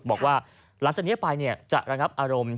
บอกว่าหลังจากนี้ไปจะระงับอารมณ์